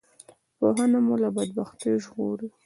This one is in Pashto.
پوهنه مو له بدبختیو ژغوری